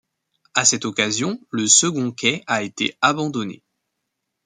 À cette occasion, le second quai a été abandonné.